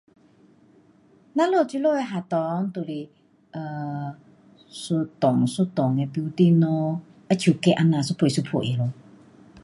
我们这里的学校就是 um 一栋一栋的 building 咯。好像 cake 那样一片一片的。